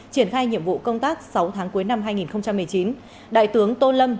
triển khai nhiệm vụ công tác sáu tháng cuối năm hai nghìn một mươi chín đại tướng tô lâm